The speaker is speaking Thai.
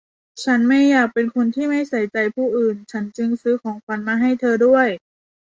ฉันไม่อยากเป็นคนที่ไม่ใส่ใจผู้อื่น ฉันจึงซื้อของขวัญมาให้เธอด้วย